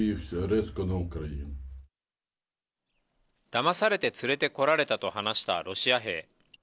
だまされて連れてこられたと話したロシア兵。